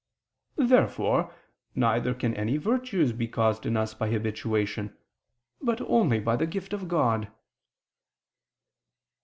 Therefore neither can any virtues be caused in us by habituation, but only by the gift of God.